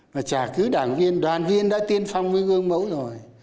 và chả cứ đảng viên đoàn viên đã tiên phong với gương mẫu rồi